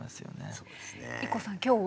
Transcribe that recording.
そうですね。